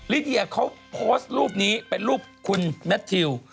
ลิเดียเขาโพสต์รูปนี้เป็นรูปคุณแมททิว